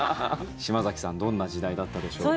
島崎さんどんな時代だったでしょうか。